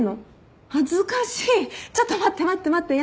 恥ずかしいちょっと待って待って待って。